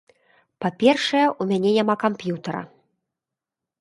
Па-першае, у мяне няма камп'ютара.